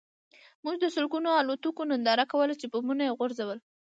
موږ د لسګونو الوتکو ننداره کوله چې بمونه یې غورځول